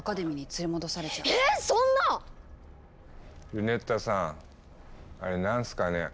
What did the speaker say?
ルネッタさんあれ何すかね？